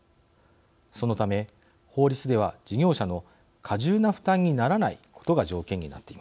そのため法律では事業者の過重な負担にならないことが条件になっています。